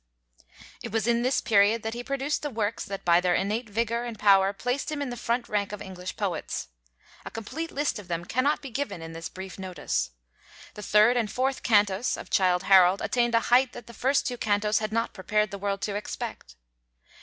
It was in this period that he produced the works that by their innate vigor and power placed him in the front rank of English poets. A complete list of them cannot be given in this brief notice. The third and fourth cantos of 'Childe Harold' attained a height that the first two cantos had not prepared the world to expect.